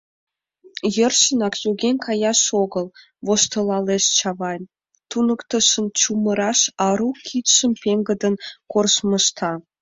Йӧршынак йоген каяш огыл, — воштылалеш Чавайн, туныктышын чумыраш ару кидшым пеҥгыдын кормыжта.